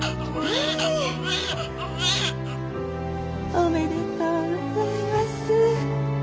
おめでとうございます。